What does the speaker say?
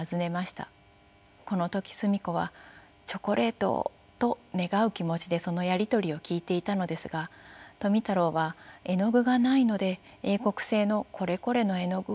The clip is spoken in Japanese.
この時澄子は「チョコレートを！」と願う気持ちでそのやり取りを聞いていたのですが富太郎は絵の具がないので英国製のこれこれの絵の具をと望みました。